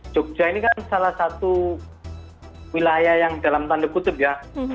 jogja ini kan salah satu wilayah yang dalam tanda kutip ya